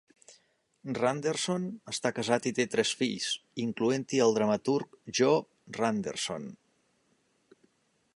Randerson està casat i té tres fills, incloent-hi el dramaturg Jo Randerson.